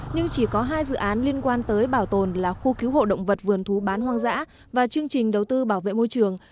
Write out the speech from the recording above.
nhưng chỉ có hai dự án liên quan tới bảo tồn là khu cứu hộ động vật vườn thú bán hoang dã và chương trình đầu tư bảo vệ môi trường